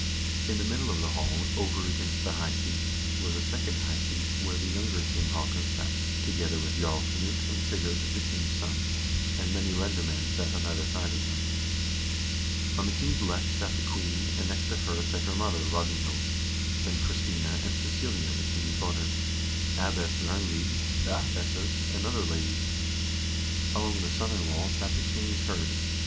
In the middle of the hall, over against the high seat, was a second high seat, where the younger King Haakon sat, together with Jarl Knut and Sigurd, the king's son ; and many lendermcend sat on either side of them. On the king's left sat the queen, and next to her sat her mother, Ragnhild, then Christina and Cecilia, the king's daughters, Abbess Rangrid, the abbesses, and other ladies. Along the southern wall sat the king's hird.